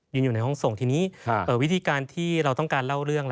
อยู่ในห้องส่งทีนี้วิธีการที่เราต้องการเล่าเรื่อง